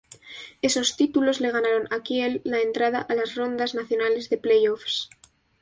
Esos títulos le ganaron a Kiel la entrada a las rondas nacionales de playoffs.